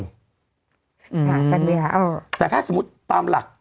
แต่ถ้าสมมุติตามหลัก